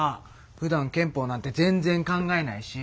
ふだん憲法なんて全然考えないし。